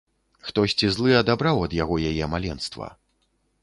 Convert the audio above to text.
Хтосьці злы адабраў ад яго яе маленства.